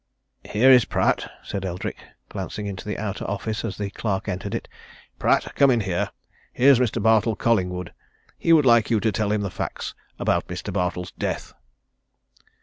"Here is Pratt," said Eldrick, glancing into the outer office as the clerk entered it. "Pratt, come in here here is Mr. Bartle Collingwood, He would like you to tell him the facts about Mr. Bartle's death."